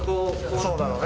そうなのね。